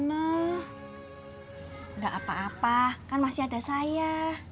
enggak apa apa kan masih ada saya